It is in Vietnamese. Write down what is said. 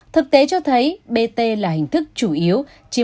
thực tế cho thấy bt là hình thức chủ yếu